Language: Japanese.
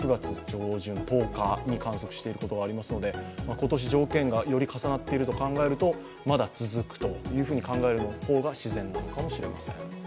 今年条件がより重なっていると考えるとまだ続くというふうに考える方が自然なのかもしれません。